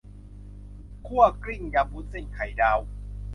คั่วกลิ้ง ยำวุ้นเส้น ไข่ดาว